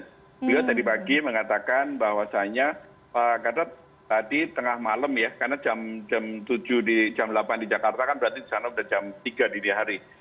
beliau tadi pagi mengatakan bahwasannya pak gatot tadi tengah malam ya karena jam tujuh di jam delapan di jakarta kan berarti di sana sudah jam tiga dini hari